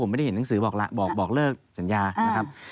ผมไม่ได้เห็นหนังสือบอกเลิกสัญญานะครับ